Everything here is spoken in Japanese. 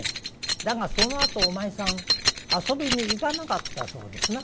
だがそのあとお前さん遊びに行かなかったそうですな。